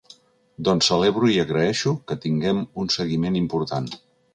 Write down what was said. Doncs celebro i agraeixo que tinguem un seguiment important.